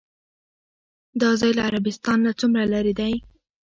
دا ځای له عربستان نه څومره لرې دی؟